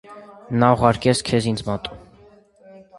նա ուղարկեց քեզ ինձ մոտ…